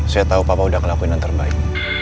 saya tahu papa udah ngelakuin yang terbaik